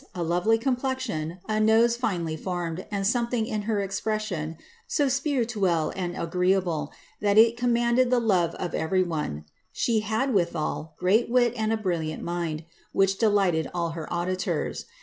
a lovely complexion, a nose finely formed, and something in her ex pression so spirUueUe and agreeable, that it commanded the love of ever}' one ; she had, withal, great wit and a brilliant mind, which de lighted all her auditors.